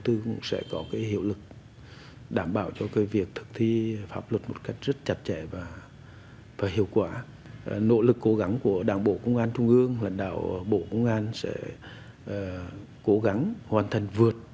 tổ lực cố gắng của đảng bộ công an trung ương lãnh đạo bộ công an sẽ cố gắng hoàn thành vượt